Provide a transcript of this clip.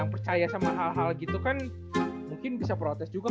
yang percaya sama hal hal gitu kan mungkin bisa protes juga